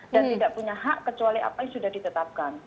dan tidak punya hak kecuali apa yang sudah ditetapkan